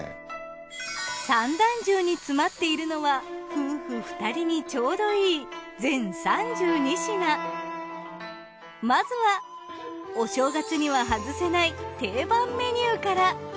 三段重に詰まっているのは夫婦２人にちょうどいいまずはお正月には外せない定番メニューから。